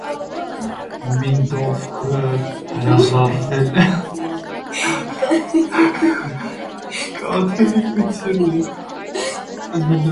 Մինդովգը հրաժարվել է կաթոլիկությունից։